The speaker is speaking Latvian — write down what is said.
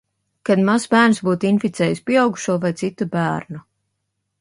Kad mazs bērns būtu inficējis pieaugušo vai citu bērnu.